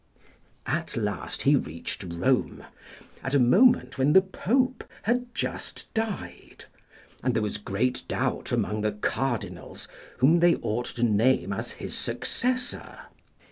At last he reached Rome, at a moment when the Pope had just died, and there was great doubt among the Cardinals whom they ought to name as his successor.